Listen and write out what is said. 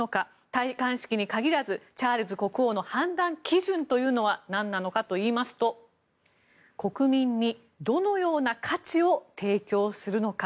戴冠式に限らずチャールズ国王の判断基準というのは何なのかといいますと国民にどのような価値を提供するのか。